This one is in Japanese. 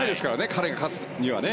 彼が勝つにはね。